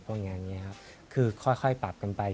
เพราะงั้นอย่างนี้ครับคือค่อยปรับกันไป